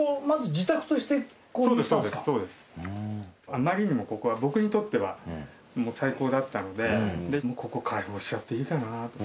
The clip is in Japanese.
あまりにもここは僕にとっては最高だったのでここ開放しちゃっていいかなと。